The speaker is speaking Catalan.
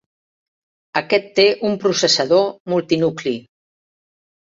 Aquest té un processador multinucli.